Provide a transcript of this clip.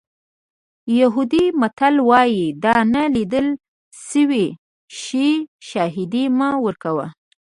یهودي متل وایي د نه لیدل شوي شي شاهدي مه ورکوه.